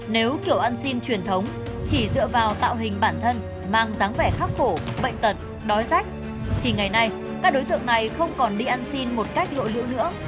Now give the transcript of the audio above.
nếu kiểu ăn xin truyền thống chỉ dựa vào tạo hình bản thân mang dáng vẻ khắc khổ bệnh tật đói rách thì ngày nay các đối tượng này không còn đi ăn xin một cách lộ lựu nữa